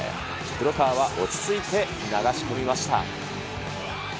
黒川は落ち着いて流し込みました。